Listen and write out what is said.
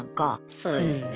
そうですね。